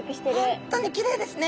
本当にきれいですね。